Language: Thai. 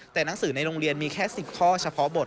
แต่หนังสือในโรงเรียนมีแค่๑๐ข้อเฉพาะบท